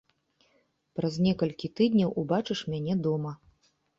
Праз некалькі тыдняў убачыш мяне дома.